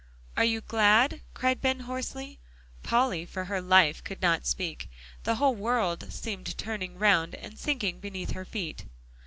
"Are you glad?" cried Ben hoarsely. Polly for her life could not speak. The whole world seemed turning round, and sinking beneath her feet.